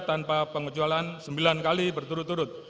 tanpa pengecualian sembilan kali berturut turut